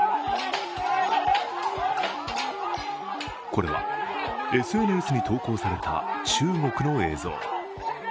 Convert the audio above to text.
これは、ＳＮＳに投稿された中国の映像。